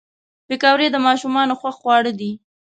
پکورې د ماشومانو خوښ خواړه دي